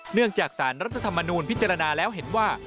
จากสารรัฐธรรมนูญพิจารณาแล้วเห็นว่า